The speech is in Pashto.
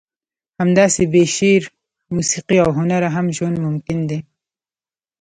همداسې بې شعر، موسیقي او هنره هم ژوند ممکن دی.